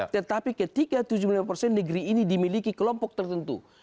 tetapi ketika tujuh puluh lima persen negeri ini dimiliki kelompok tertentu